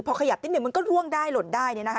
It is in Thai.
พอขยับนิดนึงมันก็ล่วงได้หล่นได้เนี่ยนะฮะ